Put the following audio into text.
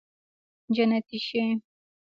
جنتي شې